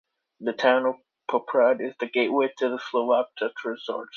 The town of Poprad is the gateway to the Slovak Tatra resorts.